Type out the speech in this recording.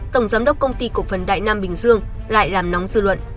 tổng giám đốc công ty cổ phần đại nam bình dương lại làm nóng dư luận